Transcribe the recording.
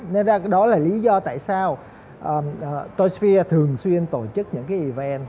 nên đó là lý do tại sao toysphere thường xuyên tổ chức những cái event